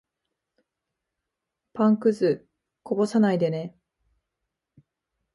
パンくず、こぼさないでね。